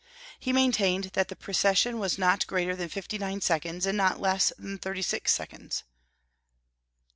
He maintained that the precession was not greater than fifty nine seconds, and not less than thirty six seconds.